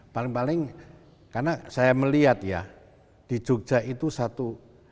paling paling karena saya melihat ya di jogja itu satu